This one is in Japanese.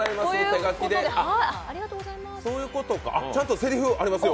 あっ、ちゃんとせりふありますよ